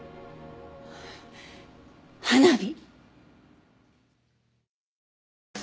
花火！